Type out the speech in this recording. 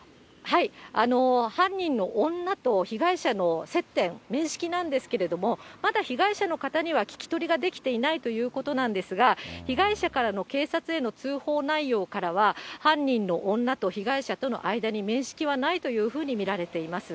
犯人の女と被害者の接点、面識なんですけれども、まだ被害者の方には聴き取りができていないということなんですが、被害者からの警察への通報内容からは、犯人の女と被害者との間に面識はないというふうに見られています。